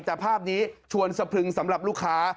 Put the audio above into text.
แต่ภาพนี้ชวนสะพรึงสำหรับลูกค้า